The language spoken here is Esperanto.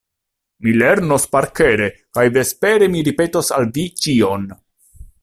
Mi lernos parkere kaj vespere mi ripetos al vi ĉion.